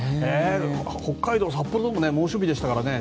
北海道札幌でも猛暑日でしたからね。